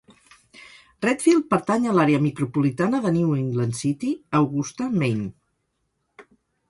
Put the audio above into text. Readfield pertany a l'àrea micropolitana de New England City, Augusta, Maine.